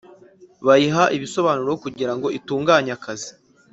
bayiha ibisobanuro kugira ngo itunganye akazi